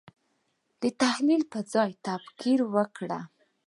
د تحلیل پر ځای تکفیر وکړي.